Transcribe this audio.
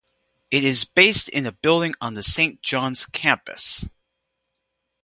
It is based in a building on the Saint Johns Campus.